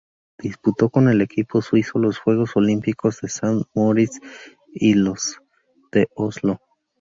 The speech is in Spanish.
Disputó con el equipo suizo los Juegos Olímpicos de Sankt-Moritz y los de Oslo.